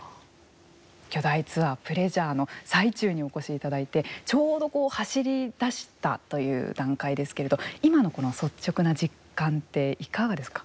巨大ツアー「Ｐｌｅａｓｕｒｅ」の最中にお越しいただいてちょうど走り出したという段階ですけれど今の率直な実感っていかがですか。